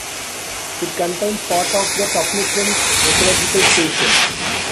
It contains part of the Tupiniquins Ecological Station.